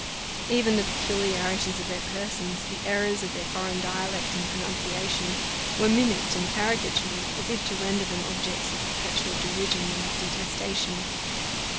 Even the peculiarities of their persons, the errors of their foreign dialect and pronunciation, were mimicked and caricatured, as if to render them objects of perpetual derision and detestation.